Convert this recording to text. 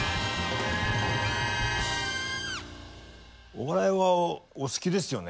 お笑いはお好きですよね。